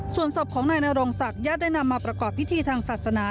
ส่วนศพของนายนโรงศักดิ์ญาติได้นำมาประกอบพิธีทางศาสนา